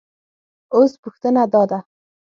اوس پوښتنه دا ده